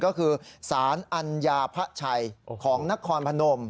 ก็คือสารอัญญาพระชัยของนครพนม